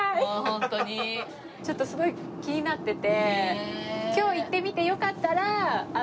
ちょっとすごい気になってて。